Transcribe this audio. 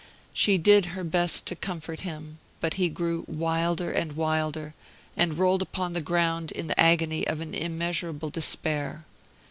She did her best to comfort him; but he grew wilder and wilder, and rolled upon the ground in the agony of an immeasurable despair.